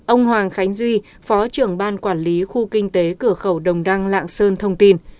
ông hoàng khánh duy phó trưởng ban quản lý khu kinh tế cửa khẩu đồng đăng lạng sơn thông tin